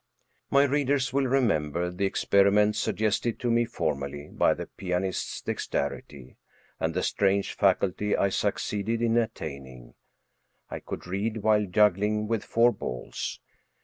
My readers will remember the experiment suggested to me formerly by the pianist's dexterity, and the strange Trm Stories of Modern Magic faculty I succeeded in attaining: I could read while jug gling with four balls.